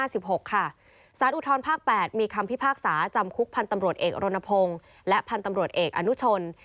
อุทธรภาค๘มีคำพิพากษาจำคุกพันธ์ตำรวจเอกรณพงศ์และพันธุ์ตำรวจเอกอนุชน